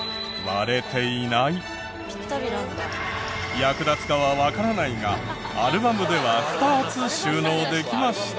役立つかはわからないがアルバムでは２つ収納できました。